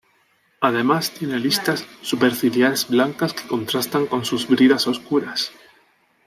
Además tiene listas superciliares blancas que contrastan con sus bridas oscuras.